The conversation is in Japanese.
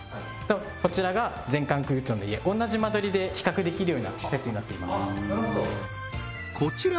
こちらが全館空調の家同じ間取りで比較できるような施設になっています